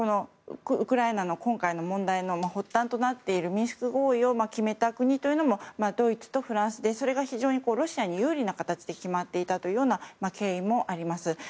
ウクライナの今回の問題の発端となっているミンスク合意を決めた国というのもドイツとフランスでそれが非常にロシアに有利な形で決まっていたというような経緯もあります。